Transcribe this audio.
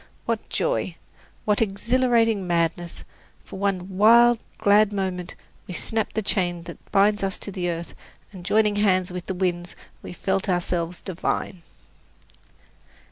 What joy! What exhilarating madness! For one wild, glad moment we snapped the chain that binds us to earth, and joining hands with the winds we felt ourselves divine!